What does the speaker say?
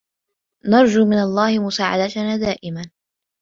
نرجوا من الله مساعدتنا دائماً ;